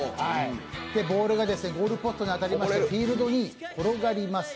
ボールがゴールポストに当たりましてフィールドに転がります。